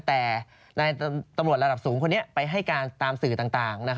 แต่นายตำรวจระดับสูงคนนี้ไปให้การตามสื่อต่าง